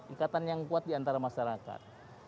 ikatan yang kuat diantara masyarakat